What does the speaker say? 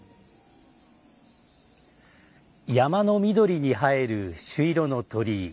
山の緑にはえる朱色の鳥居。